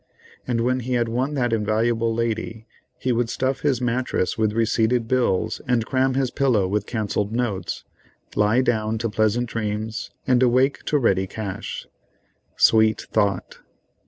And when he had won that invaluable lady, he would stuff his mattress with receipted bills, and cram his pillow with cancelled notes, lie down to pleasant dreams, and awake to ready cash. Sweet thought!